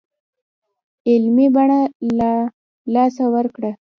علمي بڼه له لاسه ورکړې.